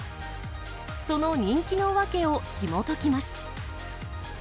その人気の訳をひもときます。